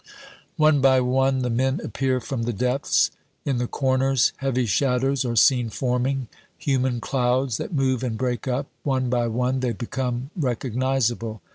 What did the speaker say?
One by one the men appear from the depths. In the corners, heavy shadows are seen forming human clouds that move and break up. One by one they become recognizable.